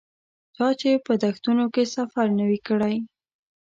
چا چې په دښتونو کې سفر نه وي کړی.